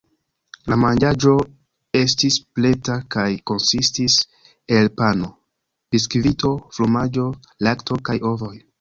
La manĝaĵo estis preta kaj konsistis el pano, biskvito, fromaĝo, lakto kaj ovoj.